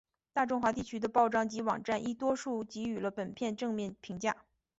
大中华地区的报章及网站亦多数给予了本片正面评价。